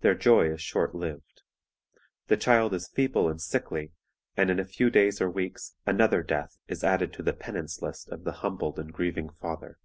Their joy is short lived. The child is feeble and sickly, and in a few days or weeks another death is added to the penance list of the humbled and grieving father.